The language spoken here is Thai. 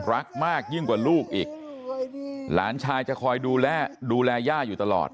รักมากยิ่งกว่าลูกอีกหลานชายจะคอยดูแลดูแลย่าอยู่ตลอด